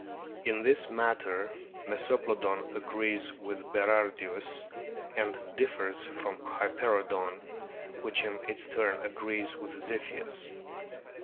In this matter Meso plodon agrees with Berardius, and differs from Hyperoodon, which in its turn agrees with Ziphius.